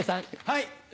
はい。